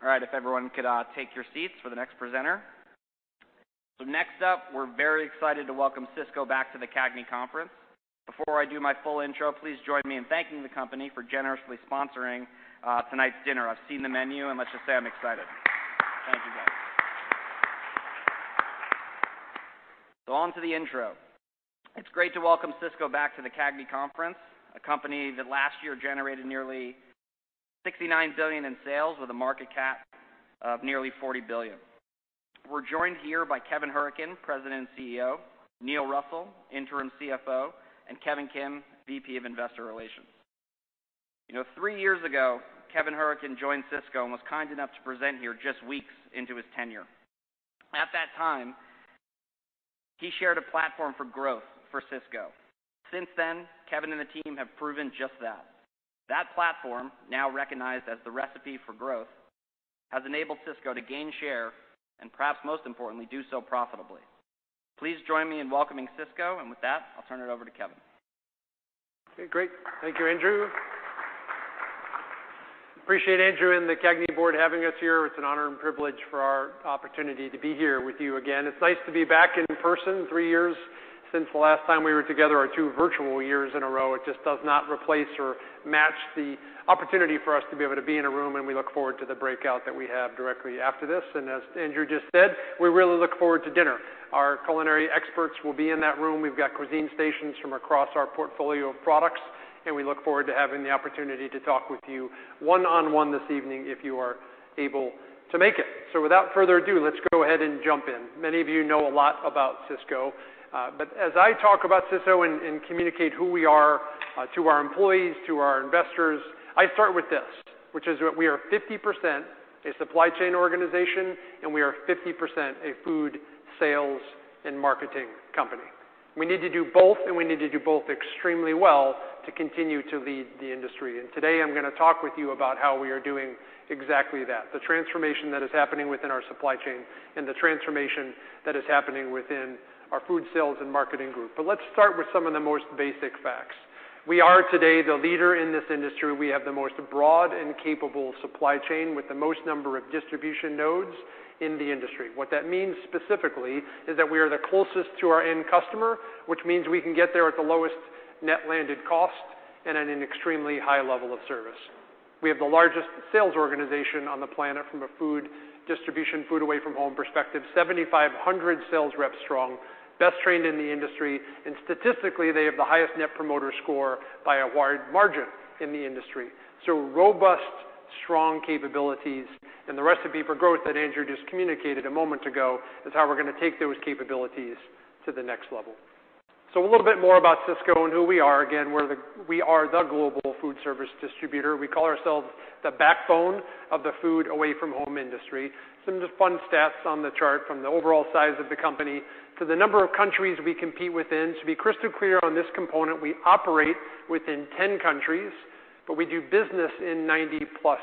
All right, if everyone could take your seats for the next presenter. Next up, we're very excited to welcome Sysco back to the CAGNY Conference. Before I do my full intro, please join me in thanking the company for generously sponsoring tonight's dinner. I've seen the menu, and let's just say I'm excited. Thank you, guys. On to the intro. It's great to welcome Sysco back to the CAGNY Conference, a company that last year generated nearly $69 billion in sales with a market cap of nearly $40 billion. We're joined here by Kevin Hourican, President and CEO, Neil Russell, Interim CFO, and Kevin Kim, VP of Investor Relations. You know, three years ago, Kevin Hourican joined Sysco and was kind enough to present here just weeks into his tenure. At that time, he shared a platform for growth for Sysco. Since then, Kevin and the team have proven just that. That platform, now recognized as the Recipe for Growth, has enabled Sysco to gain share and perhaps most importantly, do so profitably. Please join me in welcoming Sysco, and with that, I'll turn it over to Kevin. Okay, great. Thank you, Andrew. Appreciate Andrew and the CAGNY board having us here. It's an honor and privilege for our opportunity to be here with you again. It's nice to be back in person three years since the last time we were together, or two virtual years in a row. It just does not replace or match the opportunity for us to be able to be in a room, and we look forward to the breakout that we have directly after this. As Andrew just said, we really look forward to dinner. Our culinary experts will be in that room. We've got cuisine stations from across our portfolio of products, and we look forward to having the opportunity to talk with you one-on-one this evening if you are able to make it. Without further ado, let's go ahead and jump in. Many of you know a lot about Sysco. As I talk about Sysco and communicate who we are, to our employees, to our investors, I start with this, which is that we are 50% a supply chain organization, and we are 50% a food sales and marketing company. We need to do both, and we need to do both extremely well to continue to lead the industry. Today I'm gonna talk with you about how we are doing exactly that, the transformation that is happening within our supply chain and the transformation that is happening within our food sales and marketing group. Let's start with some of the most basic facts. We are today the leader in this industry. We have the most broad and capable supply chain with the most number of distribution nodes in the industry. What that means specifically is that we are the closest to our end customer, which means we can get there at the lowest net landed cost and at an extremely high level of service. We have the largest sales organization on the planet from a food distribution, food away from home perspective, 7,500 sales reps strong, best trained in the industry, and statistically, they have the highest net promoter score by a wide margin in the industry. Robust, strong capabilities and the Recipe for Growth that Andrew just communicated a moment ago is how we're gonna take those capabilities to the next level. A little bit more about Sysco and who we are. Again, we are the global food service distributor. We call ourselves the backbone of the food away from home industry. Some just fun stats on the chart from the overall size of the company to the number of countries we compete within. To be crystal clear on this component, we operate within 10 countries, but we do business in 90-plus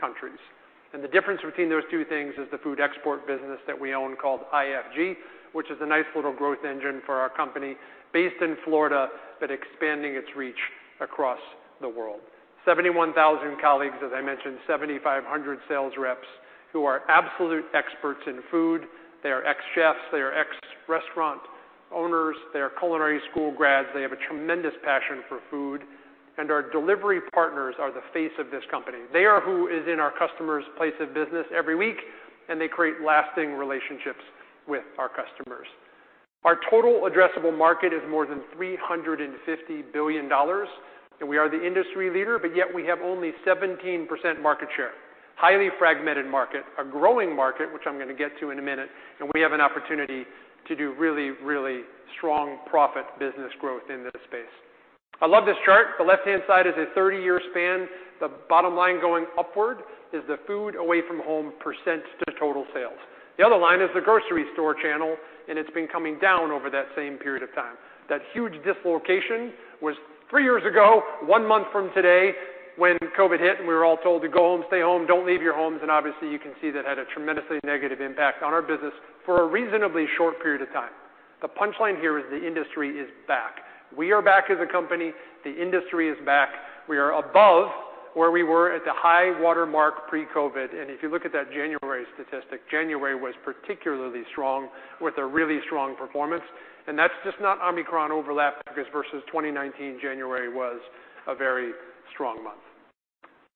countries. The difference between those two things is the food export business that we own called IFG, which is a nice little growth engine for our company based in Florida, but expanding its reach across the world. 71,000 colleagues, as I mentioned, 7,500 sales reps who are absolute experts in food. They are ex-chefs, they are ex-restaurant owners, they are culinary school grads. They have a tremendous passion for food. Our delivery partners are the face of this company. They are who is in our customer's place of business every week, and they create lasting relationships with our customers. Our total addressable market is more than $350 billion. We are the industry leader, but yet we have only 17% market share. Highly fragmented market, a growing market, which I'm gonna get to in a minute. We have an opportunity to do really, really strong profit business growth in this space. I love this chart. The left-hand side is a 30-year span. The bottom line going upward is the food away from home % to total sales. The other line is the grocery store channel. It's been coming down over that same period of time. That huge dislocation was three years ago, one month from today, when COVID hit. We were all told to go home, stay home, don't leave your homes. Obviously, you can see that had a tremendously negative impact on our business for a reasonably short period of time. The punchline here is the industry is back. We are back as a company. The industry is back. We are above where we were at the high watermark pre-COVID. If you look at that January statistic, January was particularly strong with a really strong performance. That's just not Omicron overlap versus 2019 January was a very strong month.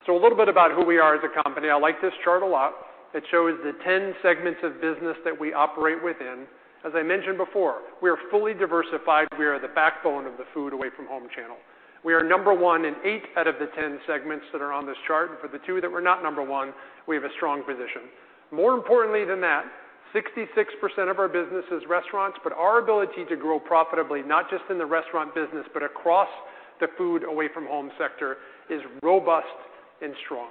A little bit about who we are as a company. I like this chart a lot. It shows the 10 segments of business that we operate within. As I mentioned before, we are fully diversified. We are the backbone of the food away from home channel. We are number one in eight out of the 10 segments that are on this chart. For the two that we're not number one, we have a strong position. More importantly than that, 66% of our business is restaurants, but our ability to grow profitably, not just in the restaurant business, but across the food away from home sector, is robust and strong.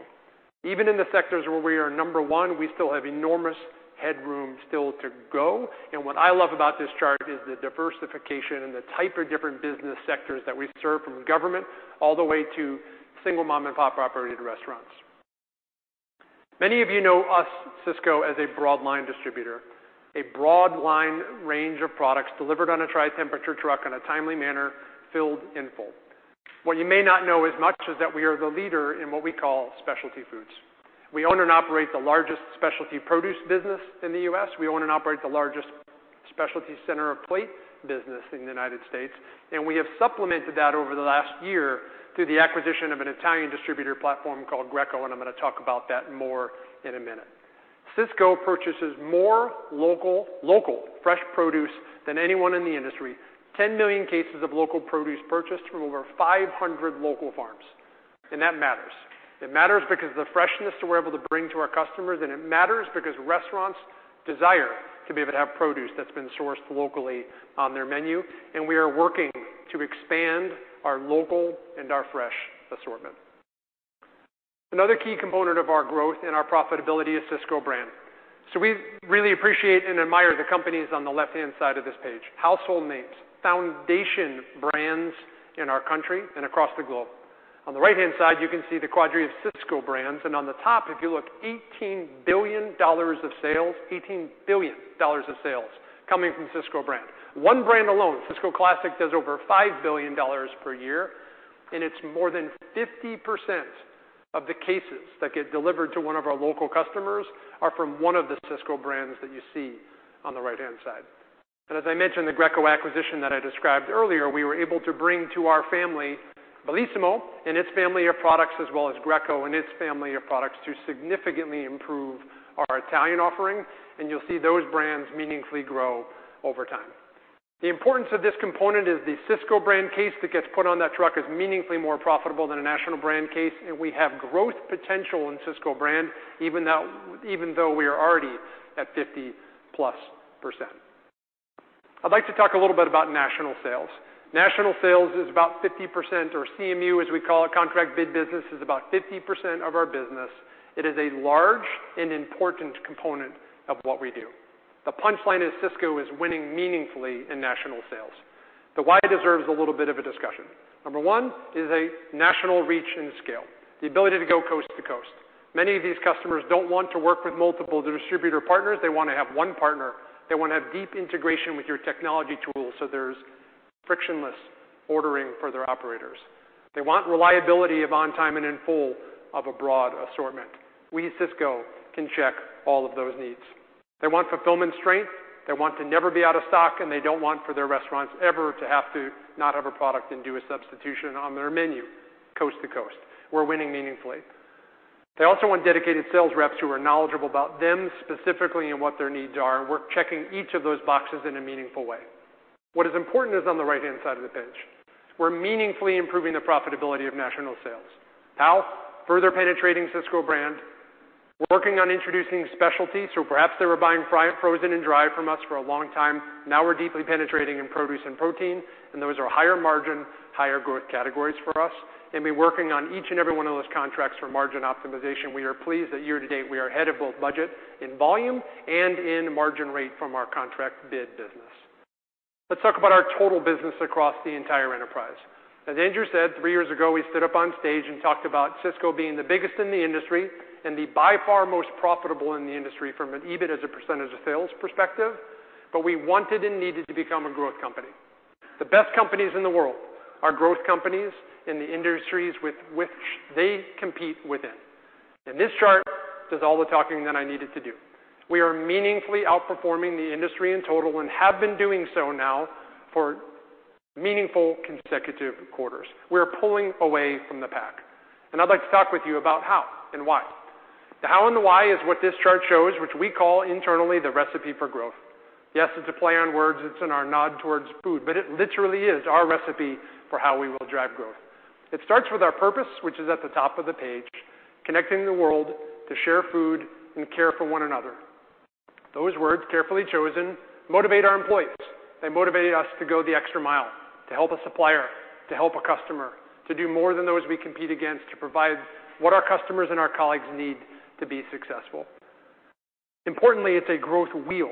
Even in the sectors where we are number one we still have enormous headroom still to go. What I love about this chart is the diversification and the type of different business sectors that we serve from government all the way to single mom-and-pop operated restaurants. Many of you know us, Sysco, as a Broadline distributor, a Broadline range of products delivered on a tri-temperature truck in a timely manner, filled in full. What you may not know as much is that we are the leader in what we call specialty foods. We own and operate the largest specialty produce business in the U.S. We own and operate the largest specialty center of plate business in the United States, and we have supplemented that over the last year through the acquisition of an Italian distributor platform called Greco, and I'm gonna talk about that more in a minute. Sysco purchases more local fresh produce than anyone in the industry. 10 million cases of local produce purchased from over 500 local farms, and that matters. It matters because the freshness that we're able to bring to our customers, and it matters because restaurants desire to be able to have produce that's been sourced locally on their menu, and we are working to expand our local and our fresh assortment. Another key component of our growth and our profitability is Sysco Brand. We really appreciate and admire the companies on the left-hand side of this page. Household names, foundation brands in our country and across the globe. On the right-hand side, you can see the cadre of Sysco brands, and on the top, if you look, $18 billion of sales, $18 billion of sales coming from Sysco brands. One brand alone, Sysco Classic, does over $5 billion per year, and it's more than 50% of the cases that get delivered to one of our local customers are from one of the Sysco brands that you see on the right-hand side. As I mentioned, the Greco acquisition that I described earlier, we were able to bring to our family Bellissimo and its family of products as well as Greco and its family of products to significantly improve our Italian offering. You'll see those brands meaningfully grow over time. The importance of this component is the Sysco Brand case that gets put on that truck is meaningfully more profitable than a national brand case. We have growth potential in Sysco Brand even now, even though we are already at 50+%. I'd like to talk a little bit about national sales. National sales is about 50%, or CMU, as we call it, contract bid business, is about 50% of our business. It is a large and important component of what we do. The punchline is Sysco is winning meaningfully in national sales. The why deserves a little bit of a discussion. Number one is a national reach and scale, the ability to go coast to coast. Many of these customers don't want to work with multiple distributor partners. They wanna have one partner. They wanna have deep integration with your technology tools, so there's frictionless ordering for their operators. They want reliability of on time and in full of a broad assortment. We at Sysco can check all of those needs. They want fulfillment strength. They want to never be out of stock, and they don't want for their restaurants ever to have to not have a product and do a substitution on their menu coast to coast. We're winning meaningfully. They also want dedicated sales reps who are knowledgeable about them specifically and what their needs are. We're checking each of those boxes in a meaningful way. What is important is on the right-hand side of the page. We're meaningfully improving the profitability of national sales. How? Further penetrating Sysco Brand. We're working on introducing specialties, so perhaps they were buying frozen and dry from us for a long time. Now we're deeply penetrating in produce and protein, and those are higher margin, higher growth categories for us. We're working on each and every one of those contracts for margin optimization. We are pleased that year to date we are ahead of both budget in volume and in margin rate from our contract bid business. Let's talk about our total business across the entire enterprise. As Andrew said, three years ago, we stood up on stage and talked about Sysco being the biggest in the industry and the by far most profitable in the industry from an EBITDA as a % of sales perspective, we wanted and needed to become a growth company. The best companies in the world are growth companies in the industries with which they compete within. This chart does all the talking that I need it to do. We are meaningfully outperforming the industry in total and have been doing so now for meaningful consecutive quarters. We are pulling away from the pack, and I'd like to talk with you about how and why. The how and the why is what this chart shows, which we call internally the Recipe for Growth. Yes, it's a play on words. It's in our nod towards food, it literally is our Recipe for Growth for how we will drive growth. It starts with our purpose, which is at the top of the page, connecting the world to share food and care for one another. Those words, carefully chosen, motivate our employees. They motivate us to go the extra mile, to help a supplier, to help a customer, to do more than those we compete against, to provide what our customers and our colleagues need to be successful. Importantly, it's a growth wheel.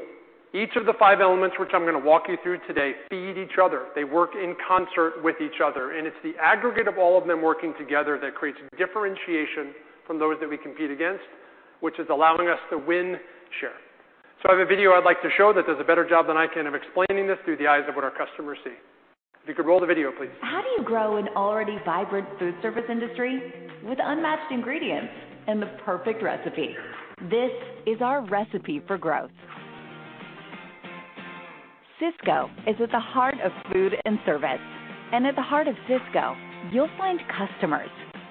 Each of the five elements, which I'm gonna walk you through today, feed each other. They work in concert with each other, it's the aggregate of all of them working together that creates differentiation from those that we compete against, which is allowing us to win share. I have a video I'd like to show that does a better job than I can of explaining this through the eyes of what our customers see. If you could roll the video, please. How do you grow an already vibrant food service industry? With unmatched ingredients and the perfect recipe. This is our Recipe for Growth. Sysco is at the heart of food and service, and at the heart of Sysco, you'll find customers,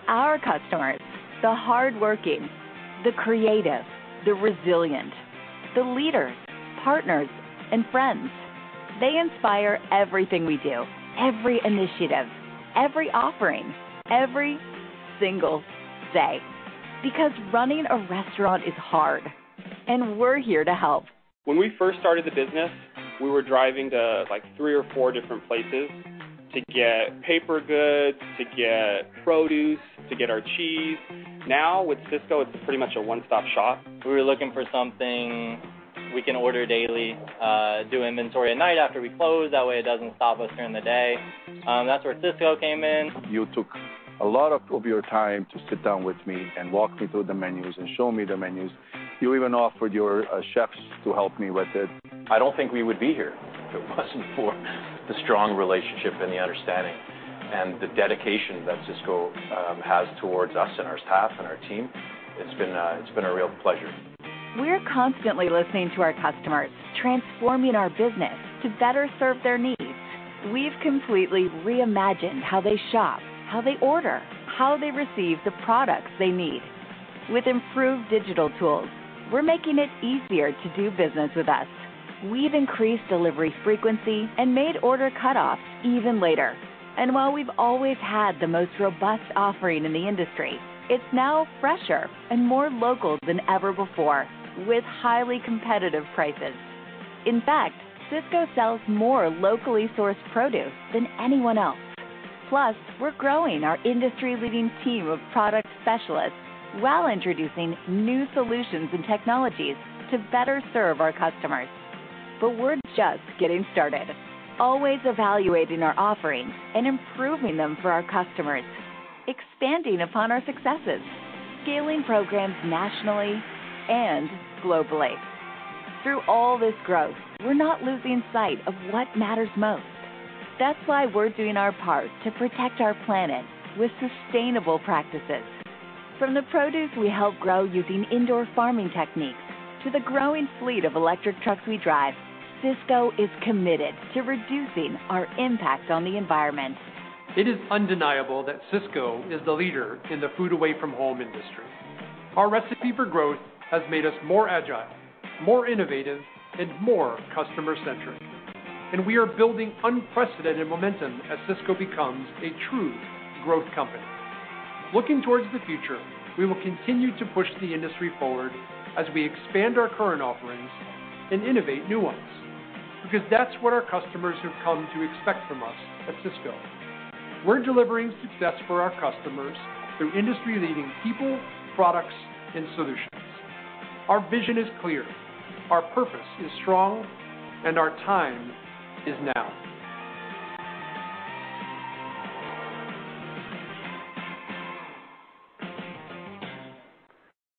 our customers, the hardworking, the creative, the resilient, the leaders, partners, and friends. They inspire everything we do, every initiative, every offering, every single day. Because running a restaurant is hard, and we're here to help. When we first started the business, we were driving to, like, three or four different places to get paper goods, to get produce, to get our cheese. Now with Sysco, it's pretty much a one-stop shop. We were looking for something we can order daily, do inventory at night after we close. That way, it doesn't stop us during the day. That's where Sysco came in. You took A lot of your time to sit down with me and walk me through the menus and show me the menus. You even offered your chefs to help me with it. I don't think we would be here if it wasn't for the strong relationship and the understanding and the dedication that Sysco has towards us and our staff and our team. It's been a real pleasure. We're constantly listening to our customers, transforming our business to better serve their needs. We've completely reimagined how they shop, how they order, how they receive the products they need. With improved digital tools, we're making it easier to do business with us. We've increased delivery frequency and made order cutoffs even later. While we've always had the most robust offering in the industry, it's now fresher and more local than ever before, with highly competitive prices. In fact, Sysco sells more locally sourced produce than anyone else. Plus, we're growing our industry-leading team of product specialists while introducing new solutions and technologies to better serve our customers. We're just getting started. Always evaluating our offerings and improving them for our customers, expanding upon our successes, scaling programs nationally and globally. Through all this growth, we're not losing sight of what matters most. That's why we're doing our part to protect our planet with sustainable practices. From the produce we help grow using indoor farming techniques to the growing fleet of electric trucks we drive, Sysco is committed to reducing our impact on the environment. It is undeniable that Sysco is the leader in the food away from home industry. Our Recipe for Growth has made us more agile, more innovative, and more customer-centric. We are building unprecedented momentum as Sysco becomes a true growth company. Looking towards the future, we will continue to push the industry forward as we expand our current offerings and innovate new ones, because that's what our customers have come to expect from us at Sysco. We're delivering success for our customers through industry-leading people, products, and solutions. Our vision is clear, our purpose is strong, and our time is now.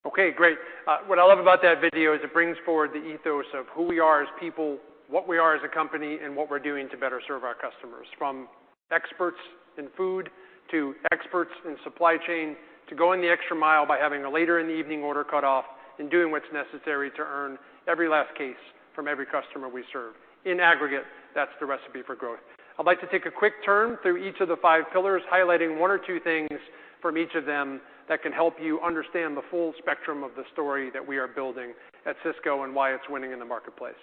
Okay, great. What I love about that video is it brings forward the ethos of who we are as people, what we are as a company, and what we're doing to better serve our customers. From experts in food to experts in supply chain, to going the extra mile by having a later in the evening order cut off and doing what's necessary to earn every last case from every customer we serve. In aggregate, that's the Recipe for Growth. I'd like to take a quick turn through each of the five pillars, highlighting one or two things from each of them that can help you understand the full spectrum of the story that we are building at Sysco and why it's winning in the marketplace.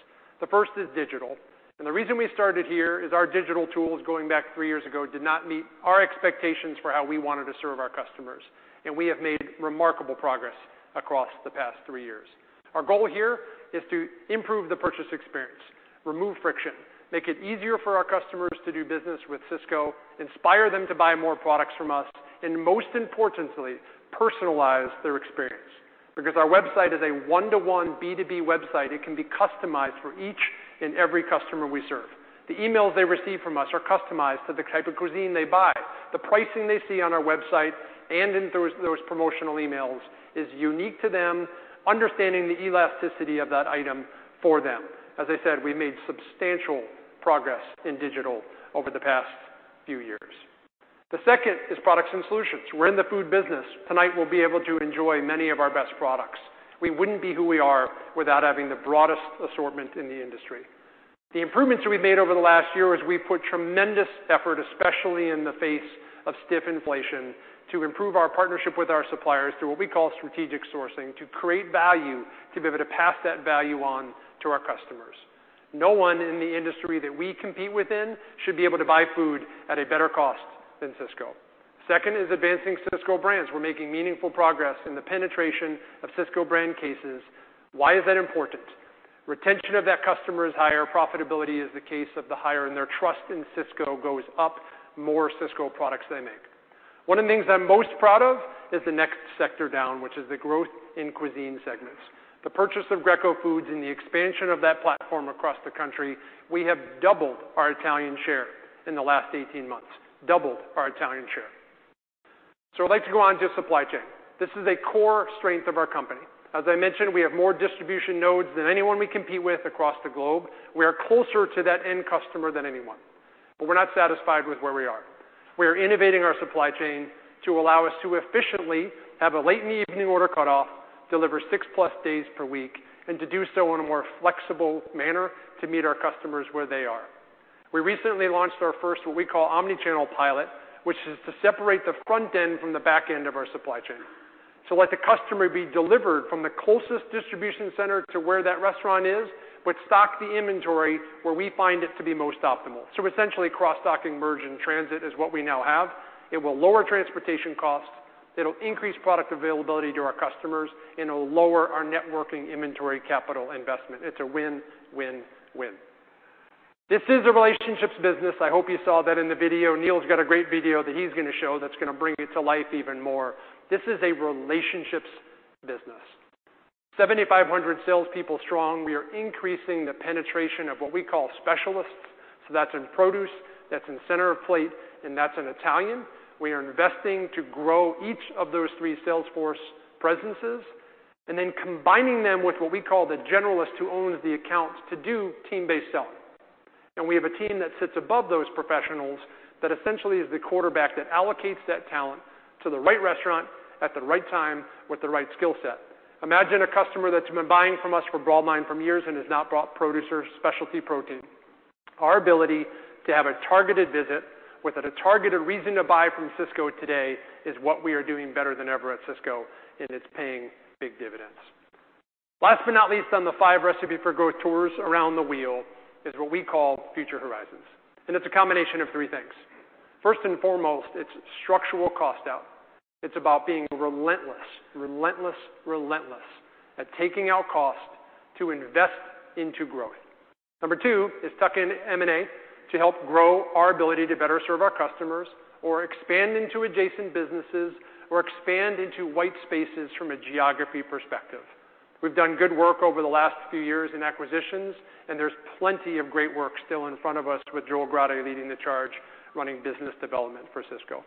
The first is digital. The reason we started here is our digital tools going back three years ago did not meet our expectations for how we wanted to serve our customers, and we have made remarkable progress across the past three years. Our goal here is to improve the purchase experience, remove friction, make it easier for our customers to do business with Sysco, inspire them to buy more products from us, most importantly, personalize their experience. Because our website is a one-to-one B2B website, it can be customized for each and every customer we serve. The emails they receive from us are customized to the type of cuisine they buy. The pricing they see on our website and in those promotional emails is unique to them, understanding the elasticity of that item for them. As I said, we made substantial progress in digital over the past few years. The second is products and solutions. We're in the food business. Tonight, we'll be able to enjoy many of our best products. We wouldn't be who we are without having the broadest assortment in the industry. The improvements we've made over the last year is we've put tremendous effort, especially in the face of stiff inflation, to improve our partnership with our suppliers through what we call strategic sourcing to create value, to be able to pass that value on to our customers. No one in the industry that we compete within should be able to buy food at a better cost than Sysco. Second is advancing Sysco brands. We're making meaningful progress in the penetration of Sysco brand cases. Why is that important? Retention of that customer is higher, profitability is the case of the higher, and their trust in Sysco goes up, more Sysco products they make. One of the things I'm most proud of is the next sector down, which is the growth in cuisine segments. The purchase of Greco and Sons and the expansion of that platform across the country, we have doubled our Italian share in the last 18 months. Doubled our Italian share. I'd like to go on to supply chain. This is a core strength of our company. As I mentioned, we have more distribution nodes than anyone we compete with across the globe. We are closer to that end customer than anyone, but we're not satisfied with where we are. We are innovating our supply chain to allow us to efficiently have a late in the evening order cut off, deliver six plus days per week, and to do so in a more flexible manner to meet our customers where they are. We recently launched our first what we call omni-channel pilot, which is to separate the front end from the back end of our supply chain. Let the customer be delivered from the closest distribution center to where that restaurant is, but stock the inventory where we find it to be most optimal. Essentially, cross-docking merge-in-transit is what we now have. It will lower transportation costs, it'll increase product availability to our customers, and it'll lower our networking inventory capital investment. It's a win-win-win. This is a relationships business. I hope you saw that in the video. Neil's got a great video that he's gonna show that's gonna bring it to life even more. This is a relationships business. 7,500 salespeople strong, we are increasing the penetration of what we call specialists. That's in produce, that's in center of plate, and that's in Italian. We are investing to grow each of those three sales force presences and then combining them with what we call the generalist who owns the account to do team-based selling. We have a team that sits above those professionals that essentially is the quarterback that allocates that talent to the right restaurant at the right time with the right skill set. Imagine a customer that's been buying from us for Broadline for years and has not bought producer specialty protein. Our ability to have a targeted visit with a targeted reason to buy from Sysco today is what we are doing better than ever at Sysco, and it's paying big dividends. Last but not least on the five Recipe for Growth tours around the wheel is what we call Future Horizons, and it's a combination of three things. First and foremost, it's structural cost out. It's about being relentless, relentless at taking out cost to invest into growing. Number two is tuck-in M&A to help grow our ability to better serve our customers or expand into adjacent businesses or expand into white spaces from a geography perspective. We've done good work over the last few years in acquisitions. There's plenty of great work still in front of us with Joel Grade leading the charge, running business development for Sysco.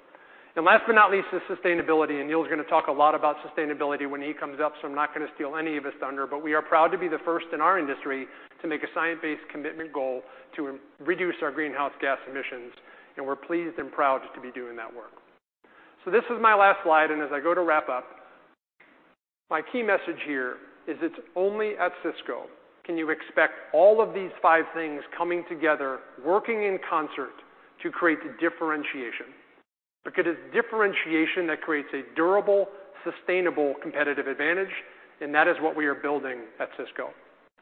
Last but not least is sustainability. Neil is gonna talk a lot about sustainability when he comes up, so I'm not gonna steal any of his thunder, but we are proud to be the first in our industry to make a science-based commitment goal to re-reduce our greenhouse gas emissions. We're pleased and proud to be doing that work. This is my last slide, and as I go to wrap up, my key message here is it's only at Sysco can you expect all of these five things coming together, working in concert to create the differentiation. It's differentiation that creates a durable, sustainable, competitive advantage, and that is what we are building at Sysco.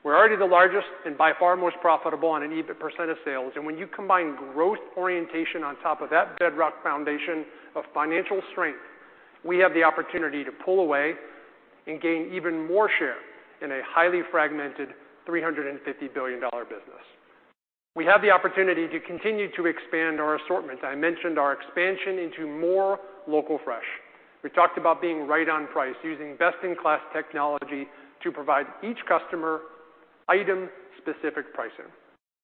We're already the largest and by far most profitable on an EBITDA % of sales. When you combine growth orientation on top of that bedrock foundation of financial strength, we have the opportunity to pull away and gain even more share in a highly fragmented $350 billion business. We have the opportunity to continue to expand our assortment. I mentioned our expansion into more local fresh. We talked about being right on price, using best-in-class technology to provide each customer item-specific pricing.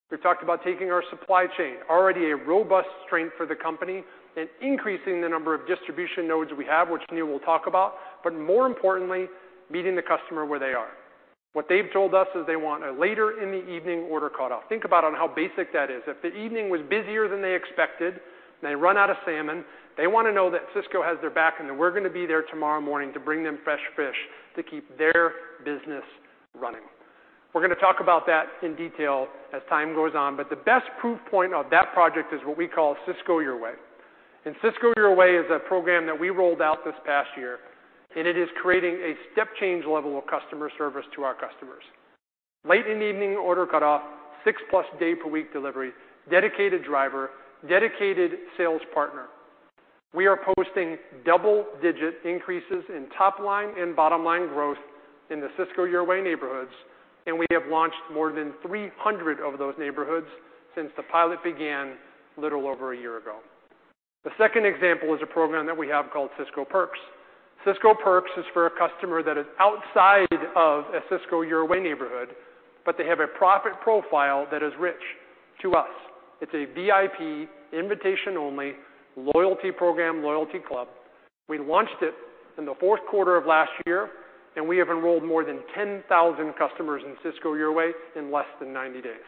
We talked about taking our supply chain, already a robust strength for the company, and increasing the number of distribution nodes we have, which Neil will talk about. More importantly, meeting the customer where they are. What they've told us is they want a later in the evening order cutoff. Think about on how basic that is. If the evening was busier than they expected and they run out of salmon, they wanna know that Sysco has their back and that we're gonna be there tomorrow morning to bring them fresh fish to keep their business running. We're gonna talk about that in detail as time goes on. The best proof point of that project is what we call Sysco Your Way. Sysco Your Way is a program that we rolled out this past year, and it is creating a step change level of customer service to our customers. Late in the evening order cutoff, six plus day per week delivery, dedicated driver, dedicated sales partner. We are posting double-digit increases in top line and bottom line growth in the Sysco Your Way neighborhoods, we have launched more than 300 of those neighborhoods since the pilot began a little over a year ago. The second example is a program that we have called Sysco Perks. Sysco Perks is for a customer that is outside of a Sysco Your Way neighborhood, they have a profit profile that is rich to us. It's a VIP, invitation only, loyalty program, loyalty club. We launched it in the fourth quarter of last year. We have enrolled more than 10,000 customers in Sysco Your Way in less than 90 days.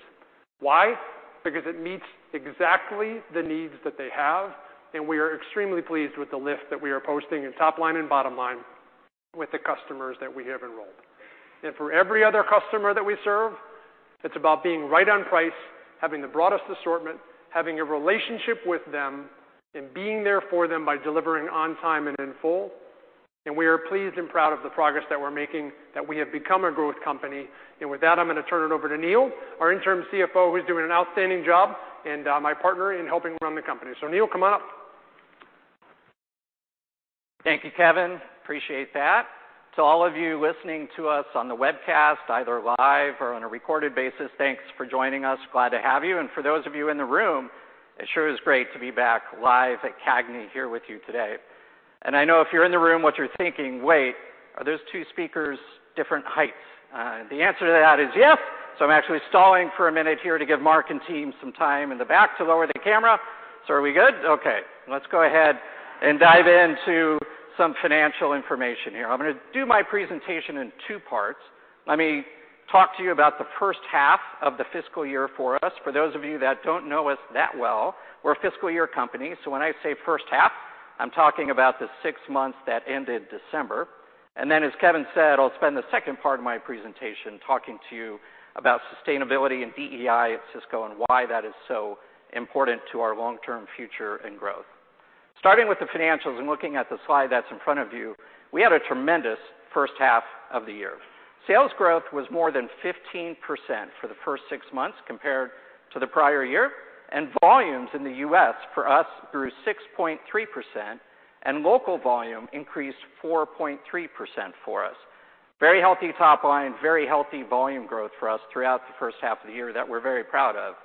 Why? Because it meets exactly the needs that they have. We are extremely pleased with the lift that we are posting in top line and bottom line with the customers that we have enrolled. For every other customer that we serve, it's about being right on price, having the broadest assortment, having a relationship with them and being there for them by delivering on time and in full. We are pleased and proud of the progress that we're making, that we have become a growth company. With that, I'm gonna turn it over to Neil, our Interim CFO, who's doing an outstanding job and my partner in helping run the company. Neil, come on up. Thank you, Kevin. Appreciate that. To all of you listening to us on the webcast, either live or on a recorded basis, thanks for joining us. Glad to have you. For those of you in the room, it sure is great to be back live at CAGNY here with you today. I know if you're in the room, what you're thinking, "Wait, are those two speakers different heights?" The answer to that is yes. I'm actually stalling for a minute here to give Mark and team some time in the back to lower the camera. Are we good? Okay. Let's go ahead and dive into some financial information here. I'm gonna do my presentation in two parts. Let me talk to you about the first half of the fiscal year for us. For those of you that don't know us that well, we're a fiscal year company. When I say first half, I'm talking about the six months that ended December. As Kevin said, I'll spend the second part of my presentation talking to you about sustainability and DEI at Sysco and why that is so important to our long-term future and growth. Starting with the financials and looking at the slide that's in front of you, we had a tremendous first half of the year. Sales growth was more than 15% for the first six months compared to the prior year. Volumes in the U.S. for us grew 6.3%, and local volume increased 4.3% for us. Very healthy top line, very healthy volume growth for us throughout the first half of the year that we're very proud of.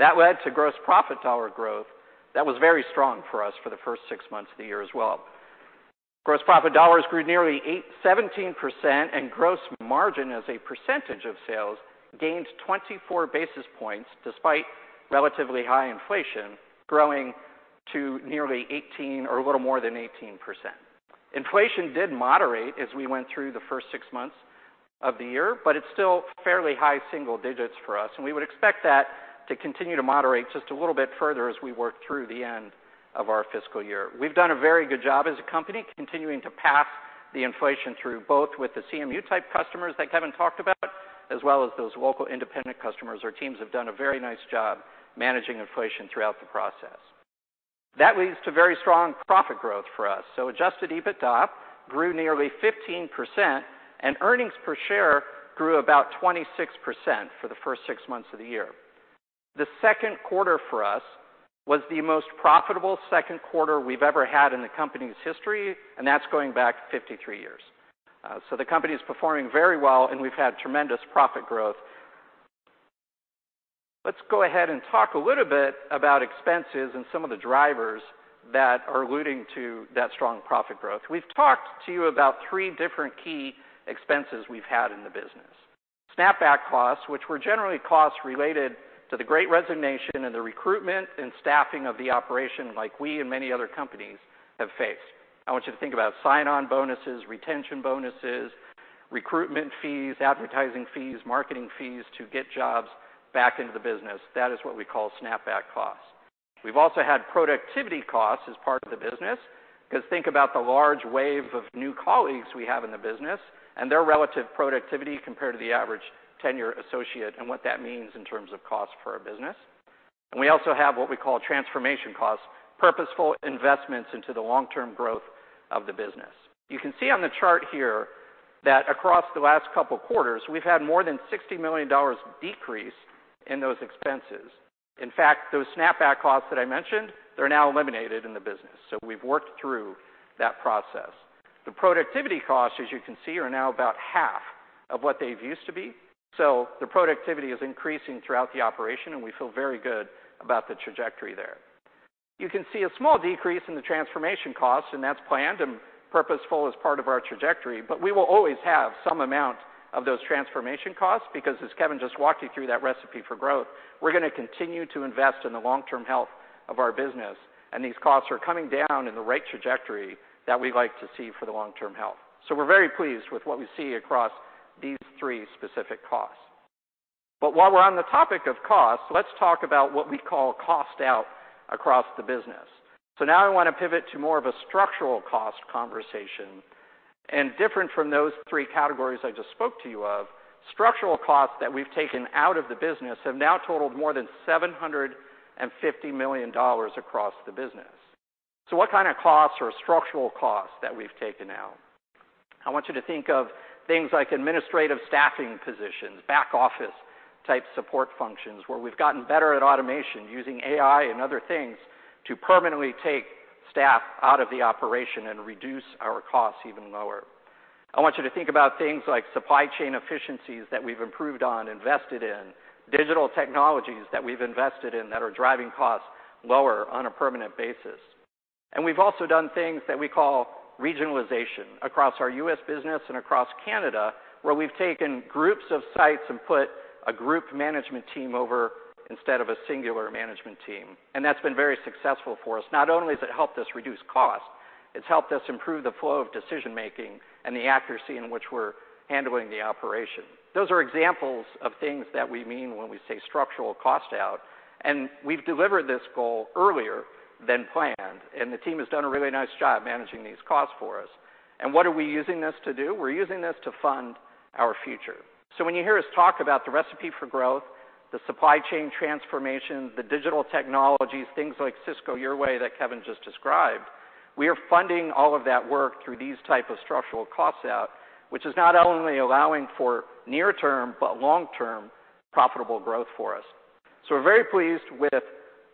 That led to gross profit dollar growth that was very strong for us for the first six months of the year as well. Gross profit dollars grew nearly 17%, and gross margin as a percentage of sales gained 24 basis points despite relatively high inflation, growing to nearly 18% or a little more than 18%. Inflation did moderate as we went through the first six months of the year. It's still fairly high single digits for us, and we would expect that to continue to moderate just a little bit further as we work through the end of our fiscal year. We've done a very good job as a company continuing to pass the inflation through both with the CMU type customers that Kevin talked about, as well as those local independent customers. Our teams have done a very nice job managing inflation throughout the process. That leads to very strong profit growth for us. Adjusted EBITDA grew nearly 15%, and earnings per share grew about 26% for the first six months of the year. The second quarter for us was the most profitable second quarter we've ever had in the company's history, and that's going back 53 years. The company is performing very well, and we've had tremendous profit growth. Let's go ahead and talk a little bit about expenses and some of the drivers that are alluding to that strong profit growth. We've talked to you about three different key expenses we've had in the business. Snapback costs, which were generally costs related to the great resignation and the recruitment and staffing of the operation like we and many other companies have faced. I want you to think about sign-on bonuses, retention bonuses, recruitment fees, advertising fees, marketing fees to get jobs back into the business. That is what we call snapback costs. We've also had productivity costs as part of the business, 'cause think about the large wave of new colleagues we have in the business and their relative productivity compared to the average tenure associate and what that means in terms of cost for our business. We also have what we call transformation costs, purposeful investments into the long-term growth of the business. You can see on the chart here that across the last couple quarters, we've had more than $60 million decrease in those expenses. In fact, those snapback costs that I mentioned, they're now eliminated in the business. We've worked through that process. The productivity costs, as you can see, are now about half of what they've used to be. The productivity is increasing throughout the operation, and we feel very good about the trajectory there. You can see a small decrease in the transformation costs, and that's planned and purposeful as part of our trajectory. We will always have some amount of those transformation costs because as Kevin just walked you through that Recipe for Growth, we're gonna continue to invest in the long-term health of our business, and these costs are coming down in the right trajectory that we like to see for the long-term health. We're very pleased with what we see across these three specific costs. While we're on the topic of costs, let's talk about what we call cost out across the business. Now I wanna pivot to more of a structural cost conversation. Different from those three categories I just spoke to you of, structural costs that we've taken out of the business have now totaled more than $750 million across the business. What kind of costs are structural costs that we've taken out? I want you to think of things like administrative staffing positions, back office type support functions, where we've gotten better at automation using AI and other things to permanently take staff out of the operation and reduce our costs even lower. I want you to think about things like supply chain efficiencies that we've improved on, invested in, digital technologies that we've invested in that are driving costs lower on a permanent basis. We've also done things that we call regionalization across our U.S. business and across Canada, where we've taken groups of sites and put a group management team over instead of a singular management team. That's been very successful for us. Not only has it helped us reduce cost, it's helped us improve the flow of decision-making and the accuracy in which we're handling the operation. Those are examples of things that we mean when we say structural cost out. We've delivered this goal earlier than planned. The team has done a really nice job managing these costs for us. What are we using this to do? We're using this to fund our future. When you hear us talk about the Recipe for Growth, the supply chain transformation, the digital technologies, things like Sysco Your Way that Kevin just described, we are funding all of that work through these type of structural costs out, which is not only allowing for near term but long-term profitable growth for us. We're very pleased with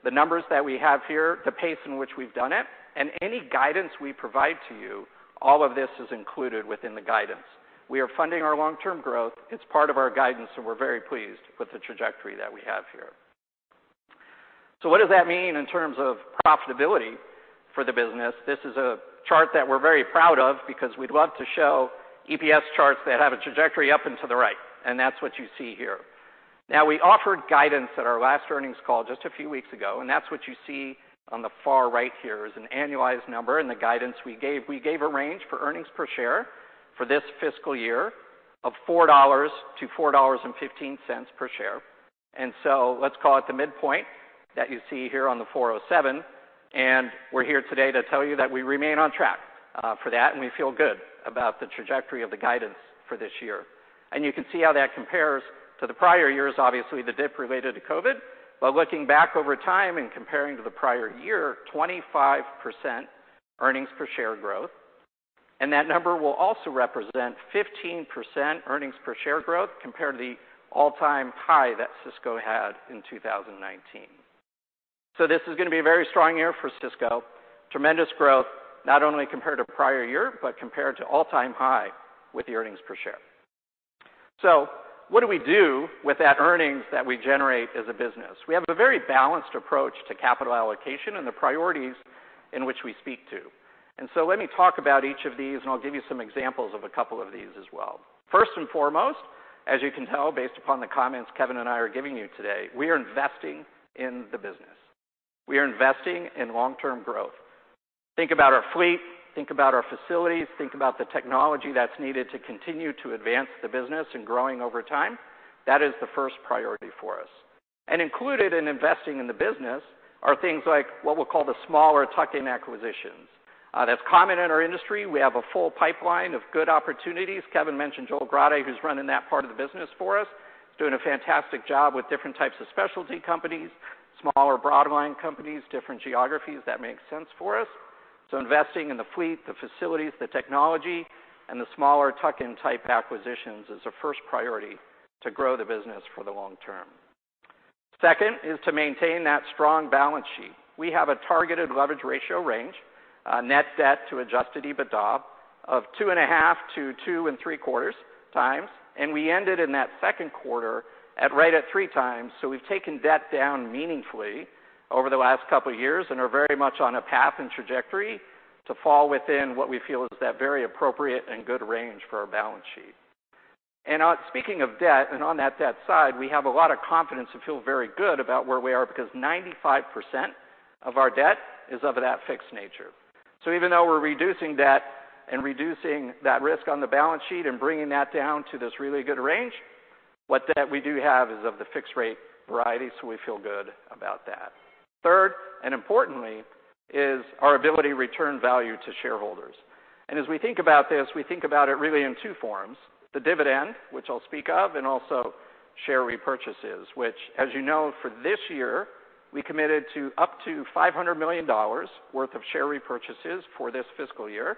the numbers that we have here, the pace in which we've done it, and any guidance we provide to you, all of this is included within the guidance. We are funding our long-term growth. It's part of our guidance, and we're very pleased with the trajectory that we have here. What does that mean in terms of profitability for the business? This is a chart that we're very proud of because we'd love to show EPS charts that have a trajectory up and to the right, and that's what you see here. Now, we offered guidance at our last earnings call just a few weeks ago, and that's what you see on the far right here. It's an annualized number and the guidance we gave. We gave a range for earnings per share for this fiscal year of $4.00-$4.15 per share. Let's call it the midpoint that you see here on the $4.07, and we're here today to tell you that we remain on track for that, and we feel good about the trajectory of the guidance for this year. You can see how that compares to the prior years. Obviously, the dip related to COVID. Looking back over time and comparing to the prior year, 25% earnings per share growth. That number will also represent 15% earnings per share growth compared to the all-time high that Sysco had in 2019. This is gonna be a very strong year for Sysco. Tremendous growth, not only compared to prior year, but compared to all-time high with the earnings per share. What do we do with that earnings that we generate as a business? We have a very balanced approach to capital allocation and the priorities in which we speak to. Let me talk about each of these, and I'll give you some examples of a couple of these as well. First and foremost, as you can tell based upon the comments Kevin and I are giving you today, we are investing in the business. We are investing in long-term growth. Think about our fleet, think about our facilities, think about the technology that's needed to continue to advance the business and growing over time. That is the first priority for us. Included in investing in the business are things like what we'll call the smaller tuck-in acquisitions. That's common in our industry. We have a full pipeline of good opportunities. Kevin mentioned Joel Grade, who's running that part of the business for us, doing a fantastic job with different types of specialty companies, smaller Broadline companies, different geographies that make sense for us. Investing in the fleet, the facilities, the technology, and the smaller tuck-in type acquisitions is a first priority to grow the business for the long term. Second is to maintain that strong balance sheet. We have a targeted leverage ratio range, net debt to Adjusted EBITDA of two and a half to two and three quarters times, and we ended in that second quarter at right at three times. We've taken debt down meaningfully over the last couple of years and are very much on a path and trajectory to fall within what we feel is that very appropriate and good range for our balance sheet. Speaking of debt, and on that debt side, we have a lot of confidence and feel very good about where we are because 95% of our debt is of that fixed nature. Even though we're reducing debt and reducing that risk on the balance sheet and bringing that down to this really good range, what debt we do have is of the fixed rate variety, so we feel good about that. Third, importantly, is our ability to return value to shareholders. As we think about this, we think about it really in two forms: the dividend, which I'll speak of, and also share repurchases, which, as you know, for this year, we committed to up to $500 million worth of share repurchases for this fiscal year.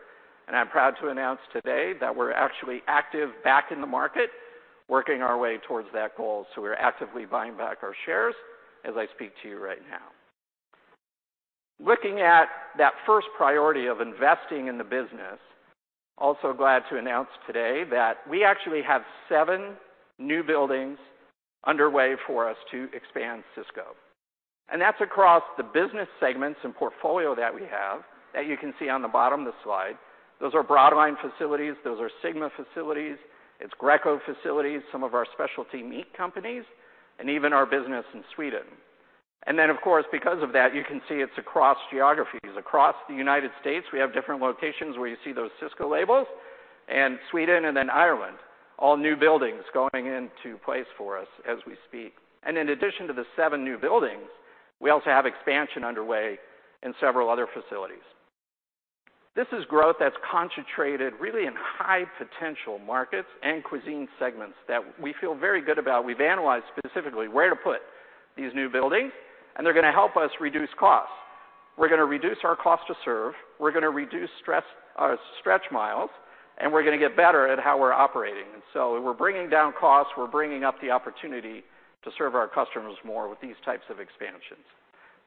I'm proud to announce today that we're actually active back in the market, working our way towards that goal. We're actively buying back our shares as I speak to you right now. Looking at that first priority of investing in the business, also glad to announce today that we actually have seven new buildings underway for us to expand Sysco. That's across the business segments and portfolio that we have that you can see on the bottom of the slide. Those are broadline facilities, those are Sygma facilities, it's Greco facilities, some of our specialty meat companies, and even our business in Sweden. Of course, because of that, you can see it's across geographies. Across the United States, we have different locations where you see those Sysco labels and Sweden and then Ireland, all new buildings going into place for us as we speak. In addition to the seven new buildings, we also have expansion underway in several other facilities. This is growth that's concentrated really in high potential markets and cuisine segments that we feel very good about. We've analyzed specifically where to put these new buildings. They're gonna help us reduce costs. We're gonna reduce our cost to serve, we're gonna reduce stretch miles, and we're gonna get better at how we're operating. We're bringing down costs, we're bringing up the opportunity to serve our customers more with these types of expansions.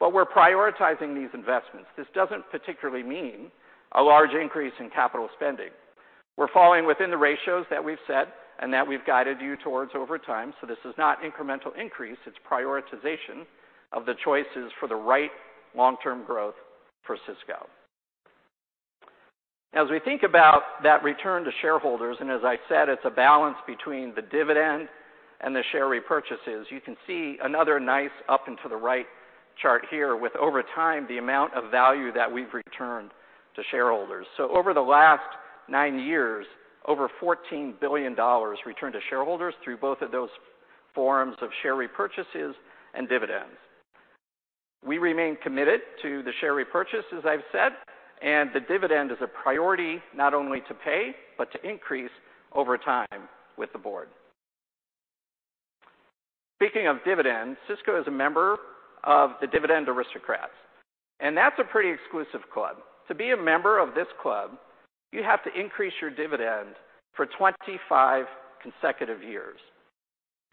We're prioritizing these investments. This doesn't particularly mean a large increase in capital spending. We're falling within the ratios that we've set and that we've guided you towards over time. This is not incremental increase, it's prioritization of the choices for the right long-term growth for Sysco. As we think about that return to shareholders, and as I said, it's a balance between the dividend and the share repurchases. You can see another nice up into the right chart here with over time, the amount of value that we've returned to shareholders. Over the last nine years, over $14 billion returned to shareholders through both of those forms of share repurchases and dividends. We remain committed to the share repurchase, as I've said, and the dividend is a priority not only to pay, but to increase over time with the board. Speaking of dividends, Sysco is a member of the Dividend Aristocrats, and that's a pretty exclusive club. To be a member of this club, you have to increase your dividend for 25 consecutive years.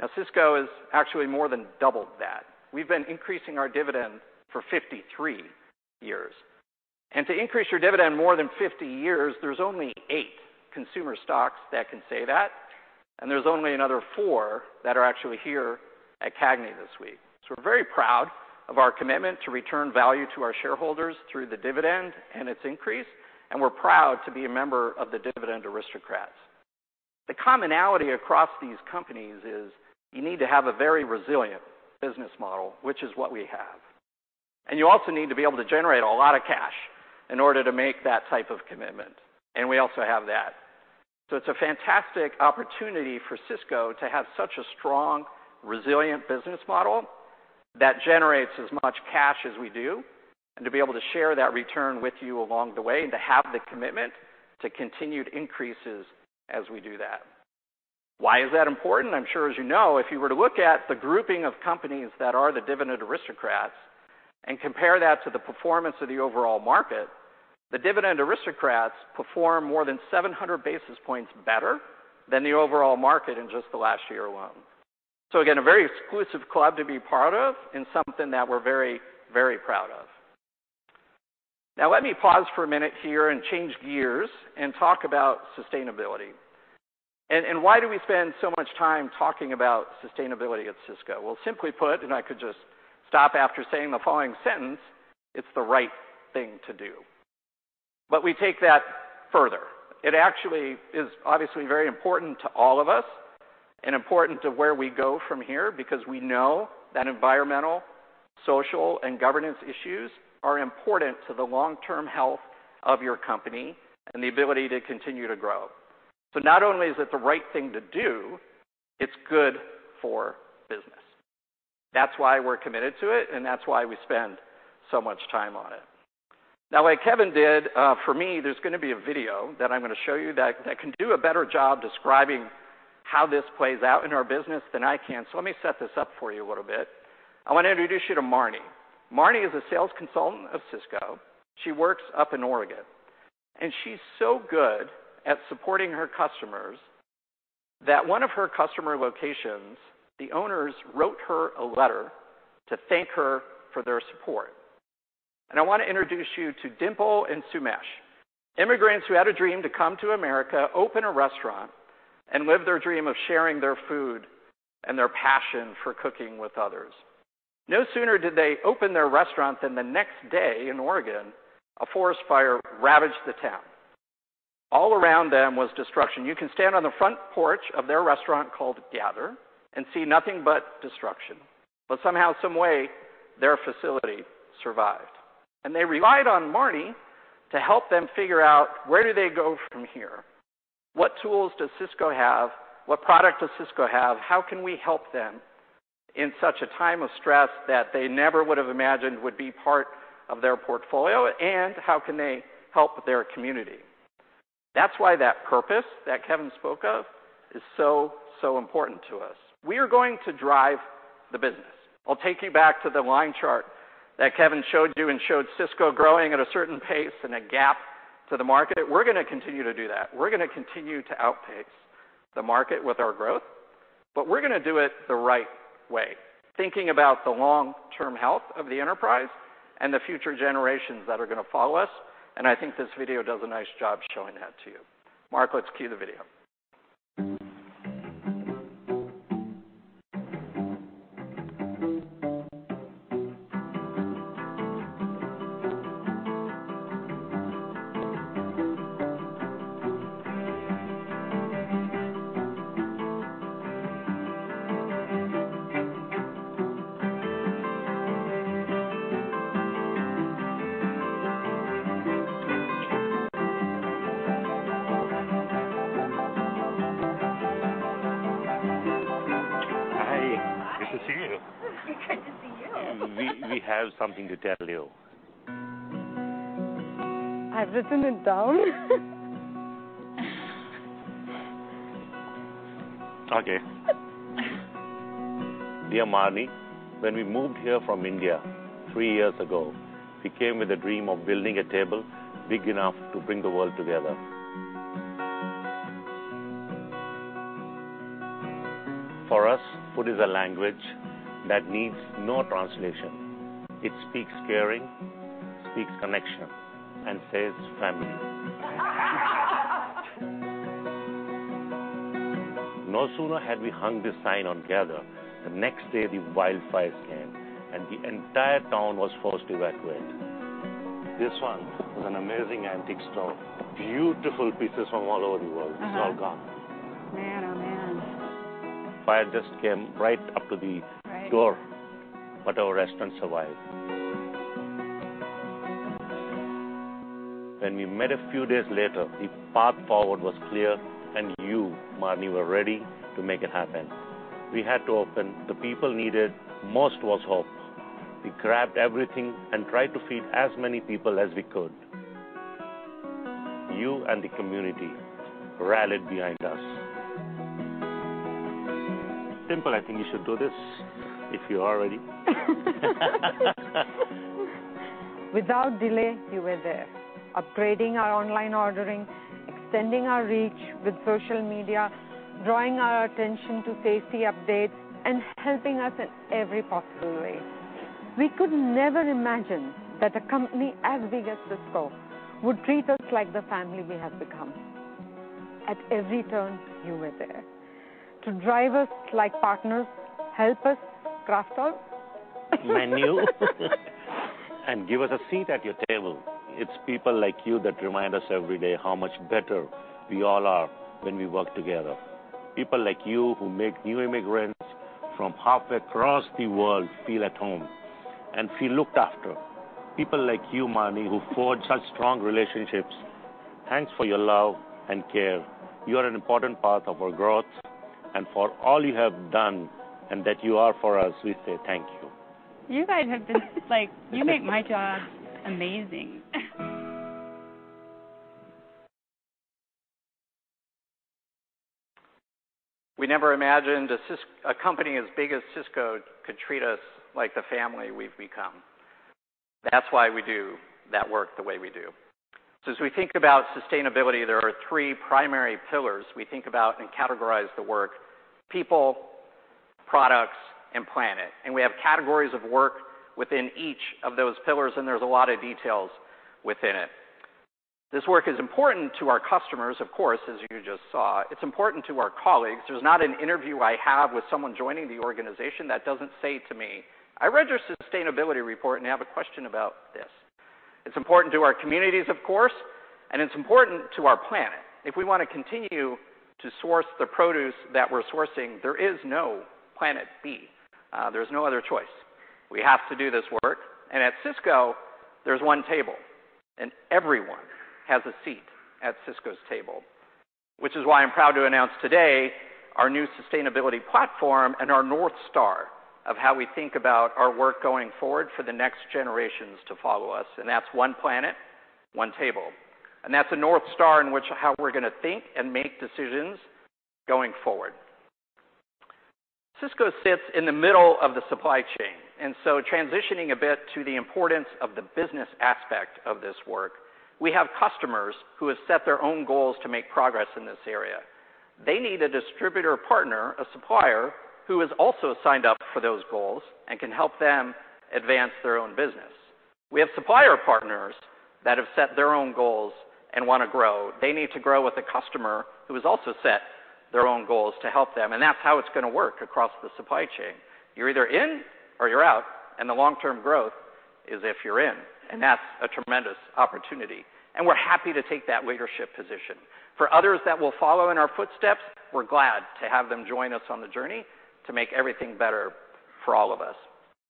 Now, Sysco has actually more than doubled that. We've been increasing our dividend for 53 years. To increase your dividend more than 50 years, there's only eight consumer stocks that can say that, and there's only another four that are actually here at CAGNY this week. We're very proud of our commitment to return value to our shareholders through the dividend and its increase, and we're proud to be a member of the Dividend Aristocrats. The commonality across these companies is you need to have a very resilient business model, which is what we have. You also need to be able to generate a lot of cash in order to make that type of commitment, and we also have that. It's a fantastic opportunity for Sysco to have such a strong, resilient business model that generates as much cash as we do, and to be able to share that return with you along the way, and to have the commitment to continued increases as we do that. Why is that important? I'm sure, as you know, if you were to look at the grouping of companies that are the Dividend Aristocrats and compare that to the performance of the overall market, the Dividend Aristocrats perform more than 700 basis points better than the overall market in just the last year alone. Again, a very exclusive club to be part of and something that we're very, very proud of. Now let me pause for a minute here and change gears and talk about sustainability. Why do we spend so much time talking about sustainability at Sysco? Well, simply put, and I could just stop after saying the following sentence, it's the right thing to do. We take that further. It actually is obviously very important to all of us and important to where we go from here because we know that environmental, social, and governance issues are important to the long-term health of your company and the ability to continue to grow. Not only is it the right thing to do, it's good for business. That's why we're committed to it, and that's why we spend so much time on it. Now like Kevin did, for me, there's gonna be a video that I'm gonna show you that can do a better job describing how this plays out in our business than I can. Let me set this up for you a little bit. I wanna introduce you to Marnie. Marnie is a sales consultant of Sysco. She works up in Oregon. She's so good at supporting her customers that one of her customer locations, the owners wrote her a letter to thank her for their support. I wanna introduce you to Dimple and Sumesh, immigrants who had a dream to come to America, open a restaurant, and live their dream of sharing their food and their passion for cooking with others. No sooner did they open their restaurant than the next day in Oregon, a forest fire ravaged the town. All around them was destruction. You can stand on the front porch of their restaurant called Gather and see nothing but destruction. Somehow, some way their facility survived. They relied on Marnie to help them figure out where do they go from here, what tools does Sysco have, what product does Sysco have, how can we help them in such a time of stress that they never would have imagined would be part of their portfolio, and how can they help their community? That's why that purpose that Kevin spoke of is so important to us. We are going to drive the business. I'll take you back to the line chart that Kevin showed you and showed Sysco growing at a certain pace and a gap to the market. We're gonna continue to do that. We're gonna continue to outpace the market with our growth. We're gonna do it the right way, thinking about the long-term health of the enterprise and the future generations that are gonna follow us. I think this video does a nice job showing that to you. Mark, let's cue the video. Hi. Hi. Good to see you. Good to see you. We have something to tell you. I've written it down. Okay. Dear Marnie, when we moved here from India three years ago, we came with a dream of building a table big enough to bring the world together. For us, food is a language that needs no translation. It speaks caring, speaks connection, and says family. No sooner had we hung this sign on Gather, the next day the wildfires came, and the entire town was forced to evacuate. This one was an amazing antique store. Beautiful pieces from all over the world. It's all gone. Man, oh, man. Fire just came right up to the. Right. Yeah. Our restaurant survived. When we met a few days later, the path forward was clear. You, Marnie, were ready to make it happen. We had to open. The people needed most was hope. We grabbed everything and tried to feed as many people as we could. You and the community rallied behind us. Dimple, I think you should do this if you are ready. Without delay, you were there, upgrading our online ordering, extending our reach with social media, drawing our attention to safety updates, and helping us in every possible way. We could never imagine that a company as big as Sysco would treat us like the family we have become. At every turn, you were there to drive us like partners, help us craft our. Menu. Give us a seat at your table. It's people like you that remind us every day how much better we all are when we work together, people like you who make new immigrants from half across the world feel at home and feel looked after, people like you, Marnie, who forge such strong relationships. Thanks for your love and care. You are an important part of our growth. For all you have done and that you are for us, we say thank you. You guys Like, you make my job amazing. We never imagined a company as big as Sysco could treat us like the family we've become." That's why we do that work the way we do. As we think about sustainability, there are three primary pillars we think about and categorize the work: people, products, and planet. We have categories of work within each of those pillars, and there's a lot of details within it. This work is important to our customers, of course, as you just saw. It's important to our colleagues. There's not an interview I have with someone joining the organization that doesn't say to me, "I read your sustainability report and have a question about this." It's important to our communities, of course, and it's important to our planet. If we wanna continue to source the produce that we're sourcing, there is no planet B. There's no other choice. We have to do this work. At Sysco, there's one table, and everyone has a seat at Sysco's table, which is why I'm proud to announce today our new sustainability platform and our North Star of how we think about our work going forward for the next generations to follow us. That's One Planet. One Table. That's a North Star in which how we're going to think and make decisions going forward. Sysco sits in the middle of the supply chain, transitioning a bit to the importance of the business aspect of this work. We have customers who have set their own goals to make progress in this area. They need a distributor partner, a supplier, who has also signed up for those goals and can help them advance their own business. We have supplier partners that have set their own goals and want to grow. They need to grow with a customer who has also set their own goals to help them, and that's how it's gonna work across the supply chain. You're either in or you're out, and the long-term growth is if you're in, and that's a tremendous opportunity. We're happy to take that leadership position. For others that will follow in our footsteps, we're glad to have them join us on the journey to make everything better for all of us.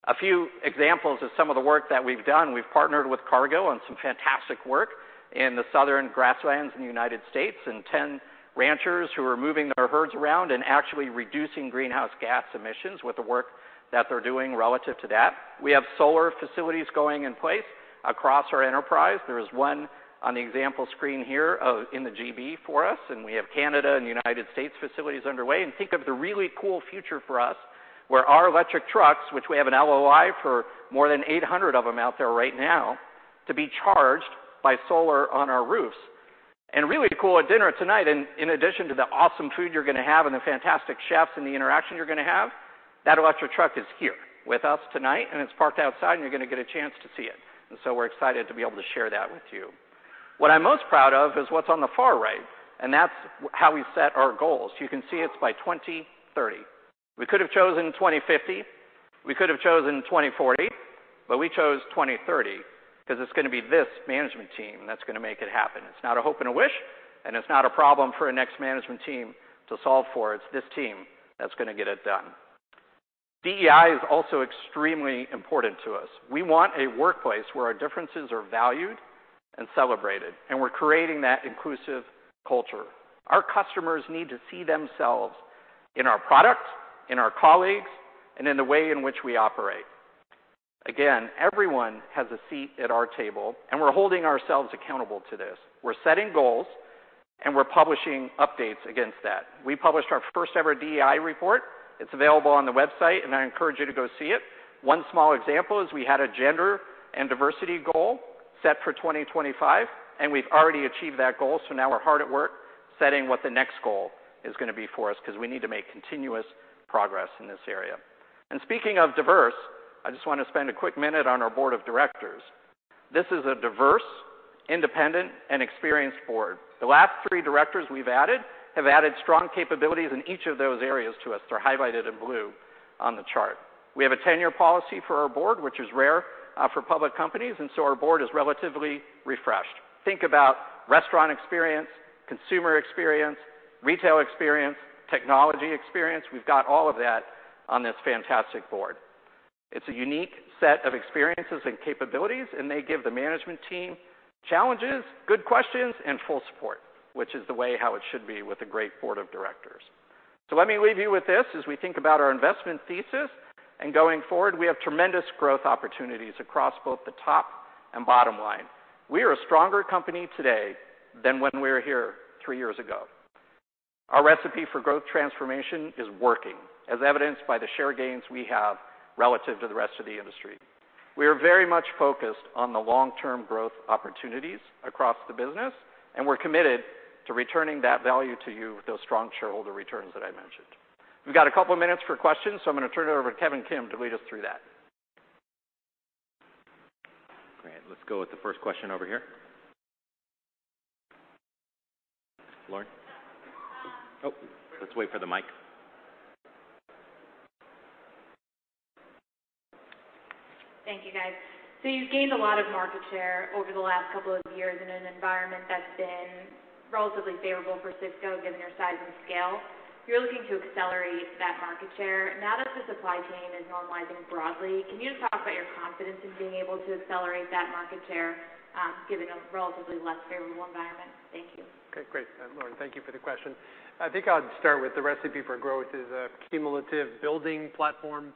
A few examples of some of the work that we've done. We've partnered with Cargill on some fantastic work in the southern grasslands in the United States, and 10 ranchers who are moving their herds around and actually reducing greenhouse gas emissions with the work that they're doing relative to that. We have solar facilities going in place across our enterprise. There is one on the example screen here, in the GB for us, and we have Canada and United States facilities underway. Think of the really cool future for us, where our electric trucks, which we have an LOI for more than 800 of them out there right now, to be charged by solar on our roofs. Really cool, at dinner tonight, in addition to the awesome food you're gonna have and the fantastic chefs and the interaction you're gonna have, that electric truck is here with us tonight, and it's parked outside, and you're gonna get a chance to see it. We're excited to be able to share that with you. What I'm most proud of is what's on the far right, and that's how we set our goals. You can see it's by 2030. We could have chosen 2050, we could have chosen 2040, but we chose 2030 'cause it's gonna be this management team that's gonna make it happen. It's not a hope and a wish, and it's not a problem for a next management team to solve for. It's this team that's gonna get it done. DEI is also extremely important to us. We want a workplace where our differences are valued and celebrated, and we're creating that inclusive culture. Our customers need to see themselves in our products, in our colleagues, and in the way in which we operate. Again, everyone has a seat at our table, and we're holding ourselves accountable to this. We're setting goals, and we're publishing updates against that. We published our first ever DEI report. It's available on the website, and I encourage you to go see it. One small example is we had a gender and diversity goal set for 2025, and we've already achieved that goal. Now we're hard at work setting what the next goal is gonna be for us 'cause we need to make continuous progress in this area. Speaking of diverse, I just wanna spend a quick minute on our board of directors. This is a diverse, independent, and experienced board. The last three directors we've added have added strong capabilities in each of those areas to us. They're highlighted in blue on the chart. We have a 10-year policy for our board, which is rare for public companies. Our board is relatively refreshed. Think about restaurant experience, consumer experience, retail experience, technology experience. We've got all of that on this fantastic board. It's a unique set of experiences and capabilities, and they give the management team challenges, good questions, and full support, which is the way how it should be with a great board of directors. Let me leave you with this as we think about our investment thesis. Going forward, we have tremendous growth opportunities across both the top and bottom line. We are a stronger company today than when we were here three years ago. Our Recipe for Growth transformation is working, as evidenced by the share gains we have relative to the rest of the industry. We are very much focused on the long-term growth opportunities across the business, and we're committed to returning that value to you with those strong shareholder returns that I mentioned. We've got a couple minutes for questions, so I'm gonna turn it over to Kevin Kim to lead us through that. Great. Let's go with the first question over here. Lauren? Let's wait for the mic. Thank you, guys. You've gained a lot of market share over the last couple of years in an environment that's been relatively favorable for Sysco, given their size and scale. You're looking to accelerate that market share. Now that the supply chain is normalizing broadly, can you just talk about your confidence in being able to accelerate that market share, given a relatively less favorable environment? Thank you. Great. Lauren, thank you for the question. I think I'd start with the Recipe for Growth is a cumulative building platform.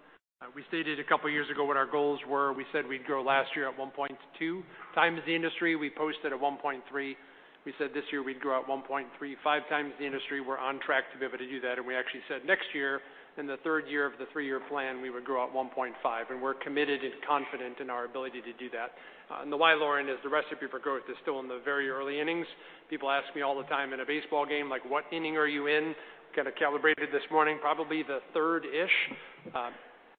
We stated a couple years ago what our goals were. We said we'd grow last year at 1.2 times the industry. We posted at 1.3 We said this year we'd grow at 1.35 times the industry. We're on track to be able to do that. We actually said next year, in the third year of the three year plan, we would grow at 1.5, and we're committed and confident in our ability to do that. the why, Lauren, is the Recipe for Growth is still in the very early innings. People ask me all the time in a baseball game, like, "What inning are you in?" Kind of calibrated this morning, probably the third-ish.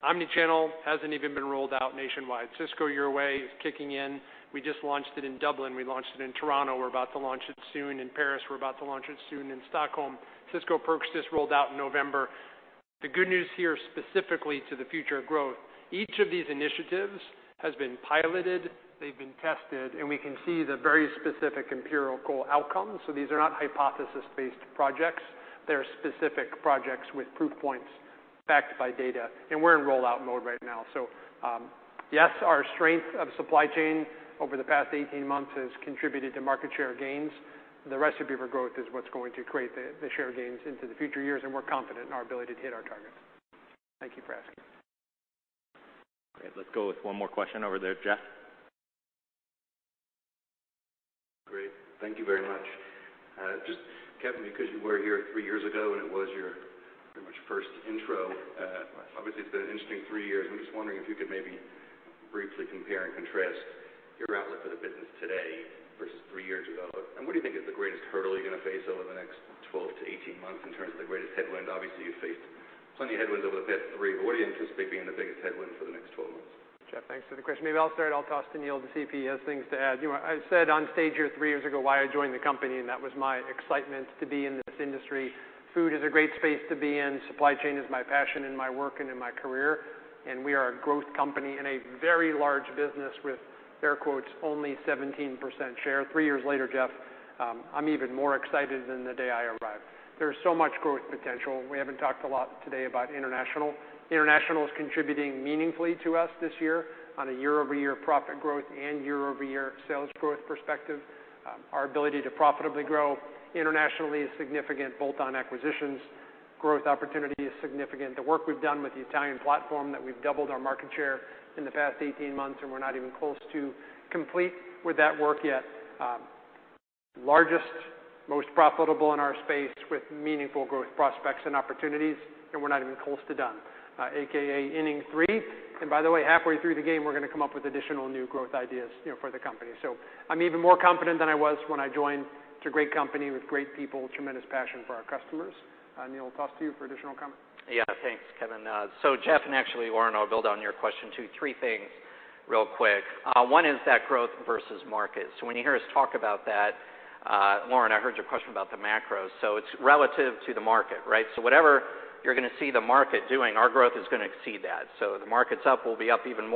omnichannel hasn't even been rolled out nationwide. Sysco Your Way is kicking in. We just launched it in Dublin. We launched it in Toronto. We're about to launch it soon in Paris. We're about to launch it soon in Stockholm. Sysco Perks just rolled out in November. The good news here, specifically to the future of growth, each of these initiatives has been piloted, they've been tested, and we can see the very specific empirical outcomes. These are not hypothesis-based projects. They're specific projects with proof points backed by data, and we're in rollout mode right now. Yes, our strength of supply chain over the past 18 months has contributed to market share gains. The Recipe for Growth is what's going to create the share gains into the future years, and we're confident in our ability to hit our targets. Thank you for asking. Great. Let's go with one more question over there, Jeff. Great. Thank you very much. Just, Kevin, because you were here three years ago, and it was your pretty much first intro, obviously it's been an interesting three years, I'm just wondering if you could maybe briefly compare and contrast your outlook for the business today versus three years ago. What do you think is the greatest hurdle you're gonna face over the next 12-18 months in terms of the greatest headwind? Obviously, you faced plenty of headwinds over the past three, but what do you anticipate being the biggest headwind for the next 12 months? Jeff, thanks for the question. Maybe I'll start. I'll toss to Neil to see if he has things to add. You know, I said on stage here three years ago why I joined the company, and that was my excitement to be in this industry. Food is a great space to be in. Supply chain is my passion and my work and in my career, and we are a growth company and a very large business with air quotes, only 17% share. Three years later, Jeff, I'm even more excited than the day I arrived. There's so much growth potential. We haven't talked a lot today about international. International is contributing meaningfully to us this year on a year-over-year profit growth and year-over-year sales growth perspective. Our ability to profitably grow internationally is significant. Bolt-on acquisitions growth opportunity is significant. The work we've done with the Italian platform that we've doubled our market share in the past 18 months, and we're not even close to complete with that work yet. Largest, most profitable in our space with meaningful growth prospects and opportunities, and we're not even close to done, AKA inning three. By the way, halfway through the game, we're gonna come up with additional new growth ideas, you know, for the company. I'm even more confident than I was when I joined. It's a great company with great people, tremendous passion for our customers. Neil, I'll toss to you for additional comment. Thanks, Kevin. Jeff, and actually Lauren, I'll build on your question, too. Three things real quick. One is that growth versus market. When you hear us talk about that, Lauren, I heard your question about the macro. It's relative to the market, right? Whatever you're gonna see the market doing, our growth is gonna exceed that. The market's up, we'll be up even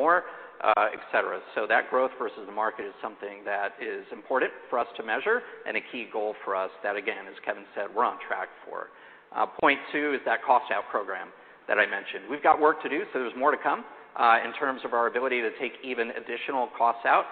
more, et cetera. That growth versus the market is something that is important for us to measure and a key goal for us that, again, as Kevin said, we're on track for. Point two is that cost out program that I mentioned. We've got work to do, so there's more to come, in terms of our ability to take even additional costs out.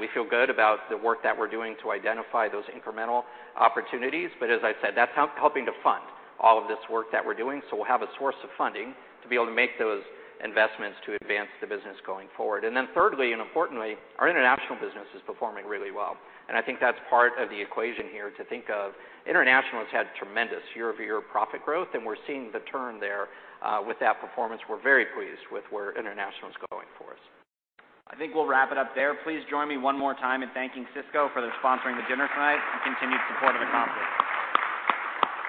We feel good about the work that we're doing to identify those incremental opportunities. As I said, that's helping to fund all of this work that we're doing. We'll have a source of funding to be able to make those investments to advance the business going forward. Thirdly and importantly, our international business is performing really well, and I think that's part of the equation here to think of. International's had tremendous year-over-year profit growth, and we're seeing the turn there, with that performance. We're very pleased with where international is going for us. I think we'll wrap it up there. Please join me one more time in thanking Sysco for their sponsoring the dinner tonight and continued support of our conference.